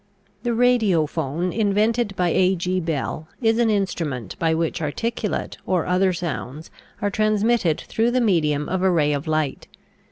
The Radiophone, invented by A. G. Bell, is an instrument by which articulate or other sounds are transmitted through the medium of a ray of light.